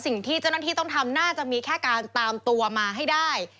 สิ่งที่เจ้าหน้าที่ต้องทำน่าจะมีแค่การตามตัวมาให้ได้